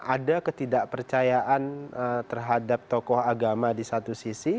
ada ketidakpercayaan terhadap tokoh agama di satu sisi